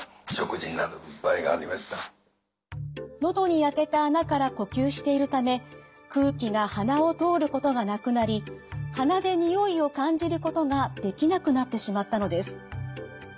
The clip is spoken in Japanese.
喉に開けた孔から呼吸しているため空気が鼻を通ることがなくなり鼻で匂いを感じることができなくなってしまったのです。